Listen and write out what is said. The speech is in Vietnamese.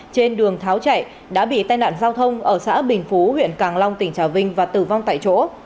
trên đường tháo chạy đã bị tai nạn giao thông ở xã bình phú huyện càng long tỉnh trà vinh và tử vong tại chỗ